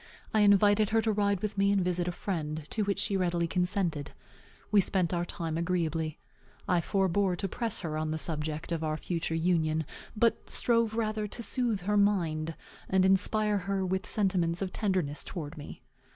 I invited her to ride with me and visit a friend, to which she readily consented. We spent our time agreeably. I forbore to press her on the subject of our future union, but strove rather to soothe her mind, and inspire her with sentiments of tenderness towards me.